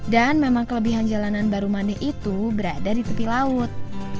dan memang kelebihan jalanan baru mandai itu berada di tepi laut